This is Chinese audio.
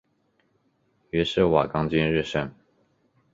于是瓦岗军日盛。